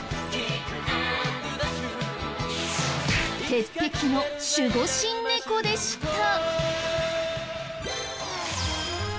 鉄壁の守護神猫でした。